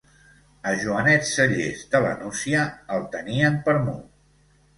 A Joanet Sellés, de la Nucia, el tenien per mut.